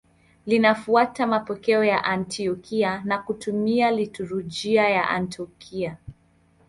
Linafuata mapokeo ya Antiokia na kutumia liturujia ya Antiokia.